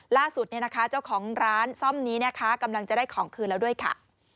ล่าสุดเจ้าของร้านซ่อมนี้นะคะกำลังจะได้ของคืนแล้วด้วยค่ะ